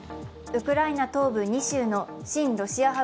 ウクライナ東部２州の親ロシア派